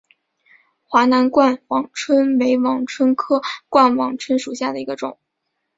华南冠网椿为网蝽科冠网蝽属下的一个种。